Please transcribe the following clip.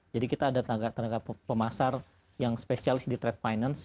jadi kita ada tenaga pemasar yang spesialis di trade finance